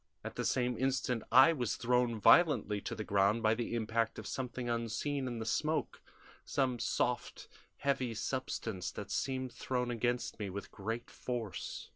At the same instant I was thrown violently to the ground by the impact of something unseen in the smoke some soft, heavy substance that seemed thrown against me with great force.